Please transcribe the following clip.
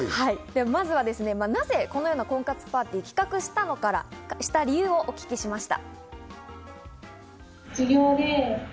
まずはなぜこのような婚活パーティー、企画した理由をお聞きしました。